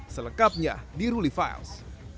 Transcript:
selengkapnya di ruli files